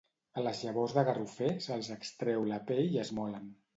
A les llavors de garrofer se'ls extreu la pell i es molen.